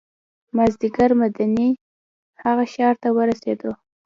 مازدیګر مدینې هغه ښار ته ورسېدو.